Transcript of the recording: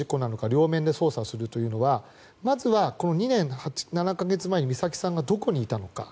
両面で捜査をするというのがまずは２年７か月前に美咲さんがどこにいたのか。